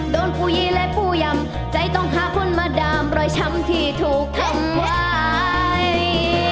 ผู้ยีและผู้ยำใจต้องหาคนมาดามรอยช้ำที่ถูกแผ่นใหญ่